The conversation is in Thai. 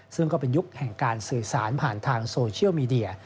ซึ่งก็เป็นยุคแห่งการสื่อสารผ่านทางโซเชียลมีเดีย